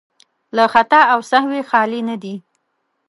له خطا او سهوی خالي نه دي.